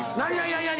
何？